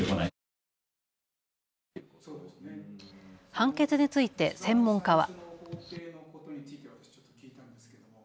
判決について専門家は。